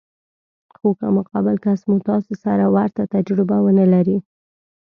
خو که مقابل کس مو تاسې سره ورته تجربه ونه لري.